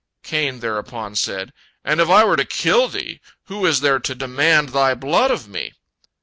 Cain thereupon said, "And if I were to kill thee, who is there to demand thy blood of me?"